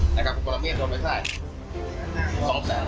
นางแก่ประพันธ์โปรโมเซศก่อนไปได้ไหม